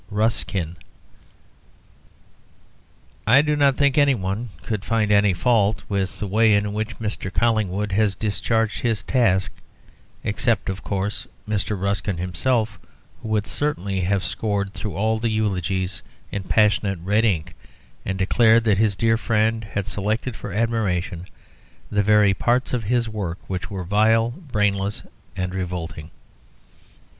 RUSKIN I do not think anyone could find any fault with the way in which Mr. Collingwood has discharged his task, except, of course, Mr. Ruskin himself, who would certainly have scored through all the eulogies in passionate red ink and declared that his dear friend had selected for admiration the very parts of his work which were vile, brainless, and revolting.